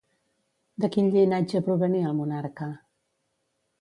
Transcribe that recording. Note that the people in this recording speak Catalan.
De quin llinatge provenia el monarca?